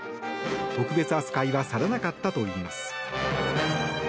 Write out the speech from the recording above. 特別扱いはされなかったといいます。